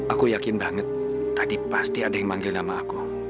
aku yakin banget tadi pasti ada yang manggil nama aku